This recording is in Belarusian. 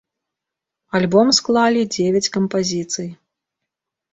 Альбом склалі дзевяць кампазіцый.